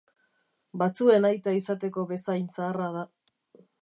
Batzuen aita izateko bezain zaharra da.